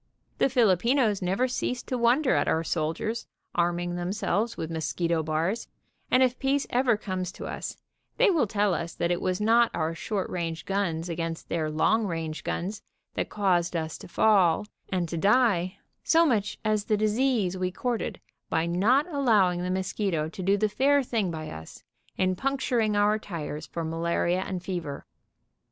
The Filipinos never cease to wonder at our soldiers arming themselves with mosquito bars, and if peace ever comes to us, they will tell us that it was not our short range guns against their long range guns that caused us to fall and to die, so much as the disease we courted by not allowing the mosquito to do the fair thing by us, in puncturing our tires for malaria and fever.